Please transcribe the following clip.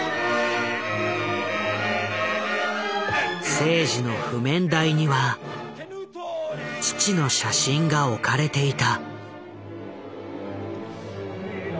征爾の譜面台には父の写真が置かれていた。